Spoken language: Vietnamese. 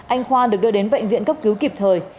anh khoa được đưa đến bệnh viện cấp cứu kịp thời